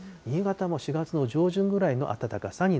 新潟も４月の上旬ぐらいの暖かさ